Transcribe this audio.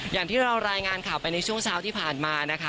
อย่างที่เรารายงานข่าวไปในช่วงเช้าที่ผ่านมานะคะ